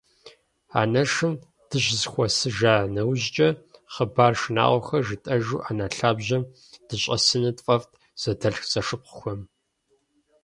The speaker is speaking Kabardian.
Анэшым дыщызэхуэсыжа нэужькӏэ, хъыбар шынагъуэхэр жытӏэжу ӏэнэ лъабжьэм дыщӏэсыныр тфӏэфӏт зэдэлъхузэшыпхъухэм.